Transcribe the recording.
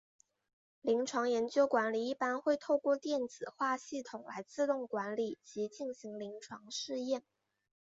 临床研究管理一般会透过电子化系统来自动管理及进行临床试验。